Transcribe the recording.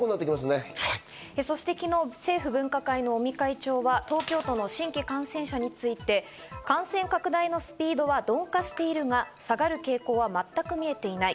そして昨日、政府分科会の尾身会長は東京都の新規感染者について感染拡大のスピードは鈍化しているが、下がる傾向は全く見えていない。